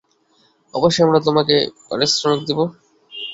অবশ্যই, আমরা তোমাকে পারিশ্রমিক দিব।